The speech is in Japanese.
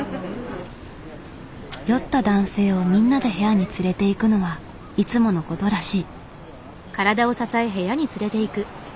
酔った男性をみんなで部屋に連れて行くのはいつものことらしい。